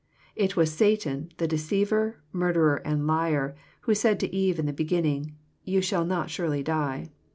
It was Satan, the deceiver, murderer, and liar, who said to Eve in the beginning, " Ye shall not surely die."